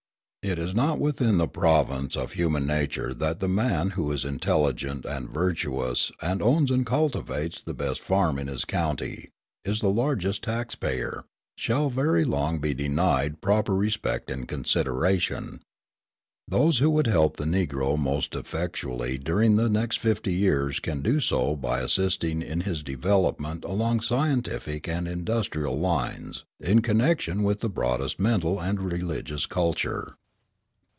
It is not within the province of human nature that the man who is intelligent and virtuous, and owns and cultivates the best farm in his county, is the largest tax payer, shall very long be denied proper respect and consideration. Those who would help the Negro most effectually during the next fifty years can do so by assisting in his development along scientific and industrial lines in connection with the broadest mental and religious culture.